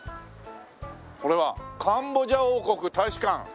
これは「カンボジア王国大使館」。